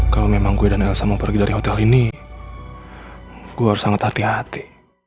kalau memang gue dan elsa mau pergi dari hotel ini gue harus sangat hati hati